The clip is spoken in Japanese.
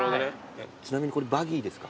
ちなみにこれバギーですか？